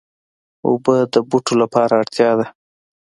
اوبه د بوټو لپاره اړتیا ده.